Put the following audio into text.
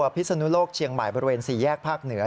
พิศนุโลกเชียงใหม่บริเวณ๔แยกภาคเหนือ